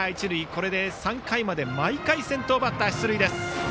これで３回まで毎回先頭バッター出塁。